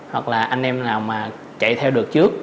hoặc là anh em nào mà chạy theo được trước